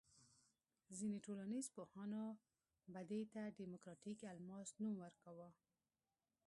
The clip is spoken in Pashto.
ځینې ټولنیز پوهانو به دې ته دیموکراتیک الماس نوم ورکاوه.